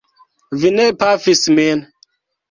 Vi ne pafis min!